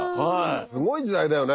すごい時代だよね